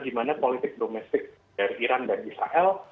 dimana politik domestik dari iran dan israel